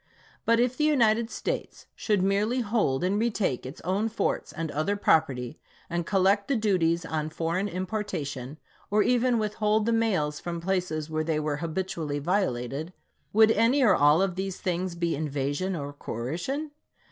But if the United States should merely hold and retake its own forts and other property, and collect the duties on foreign importations, or even withhold the mails from places where they were habitually violated, would any or all of these things be " invasion " or " coercion